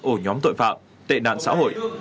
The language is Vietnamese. ở nhóm tội phạm tệ đạn xã hội